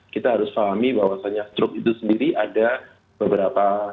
kita harus pahami bahwasannya stroke itu sendiri ada beberapa